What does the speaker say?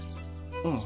うん。